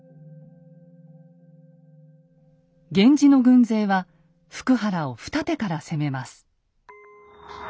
源氏の軍勢は福原を二手から攻めます。